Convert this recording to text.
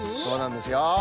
そうなんですよ。